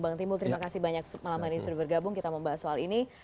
bang timbul terima kasih banyak malam hari ini sudah bergabung kita membahas soal ini